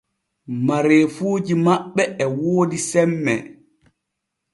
Mareefuuji maɓɓe e woodi semme.